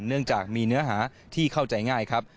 เนื่องจากมีเนื้อหาที่เข้าใจง่ายครับ